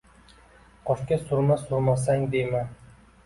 Qoshga surma surmasang deyman